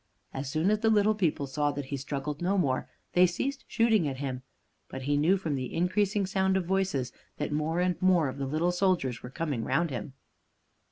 As soon as the little people saw that he struggled no more, they ceased shooting at him; but he knew from the increasing sound of voices that more and more of the little soldiers were coming round him.